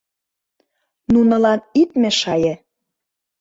Нунылан ит мешае!